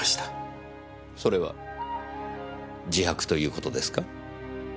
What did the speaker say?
それは自白という事ですか？